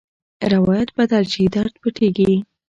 روایت بدل شي، درد پټېږي.